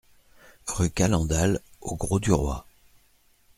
Rue Calendal au Grau-du-Roi